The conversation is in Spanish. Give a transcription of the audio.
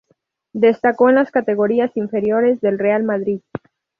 Destacó en las categorías inferiores del Real Madrid.